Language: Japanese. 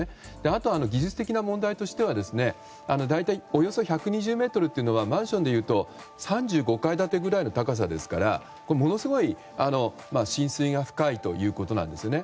あと、技術的な問題としては大体およそ１２０ｍというのはマンションでいうと３５階建てくらいの高さですからものすごい深水が深いということなんですよね。